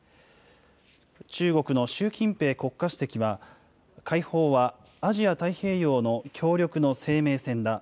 中国の習近平国家主席は、開放はアジア太平洋の協力の生命線だ。